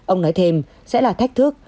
ông nói thêm sẽ là thách thức